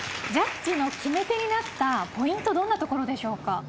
ジャッジの決め手になったポイントどんなところでしょうか？